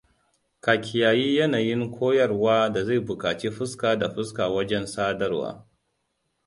Ka kiyayi yanayin koyarwa da zai bukaci fuska da fuska wanjen sadarwa.